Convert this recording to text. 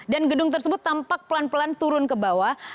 dan gedung tersebut tampak pelan pelan turun ke bawah